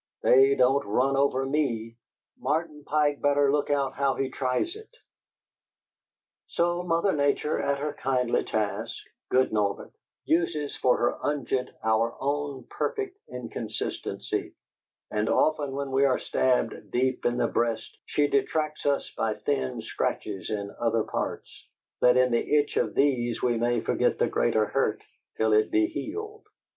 They don't run over ME! Martin Pike better look out how he tries it!" So Mother Nature at her kindly tasks, good Norbert, uses for her unguent our own perfect inconsistency: and often when we are stabbed deep in the breast she distracts us by thin scratches in other parts, that in the itch of these we may forget the greater hurt till it be healed.